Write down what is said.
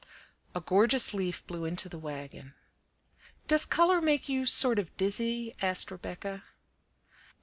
A gorgeous leaf blew into the wagon. "Does color make you sort of dizzy?" asked Rebecca.